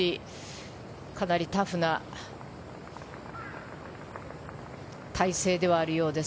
かなりタフな体勢ではあるようです。